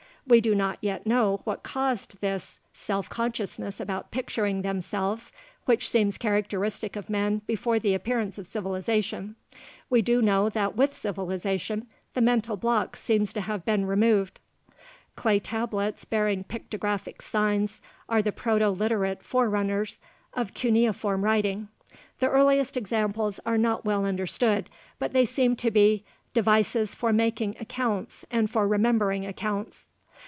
We do not yet know what caused this self consciousness about picturing themselves which seems characteristic of men before the appearance of civilization. We do know that with civilization, the mental block seems to have been removed. Clay tablets bearing pictographic signs are the Proto Literate forerunners of cuneiform writing. The earliest examples are not well understood but they seem to be "devices for making accounts and for remembering accounts."